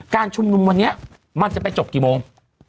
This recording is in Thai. การชุมนุมวันนี้มันจะไปจบกี่โมง